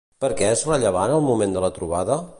Per què és rellevant el moment de la trobada?